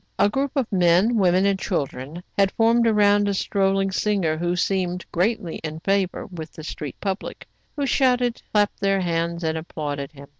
A group of men, women, and children had formed around a strolling singer, who seemed greatly in favor with the street public, who shouted, clapped their hands, and applauded him in advance. 142 TRIBULATIONS OF A CHINAMAN.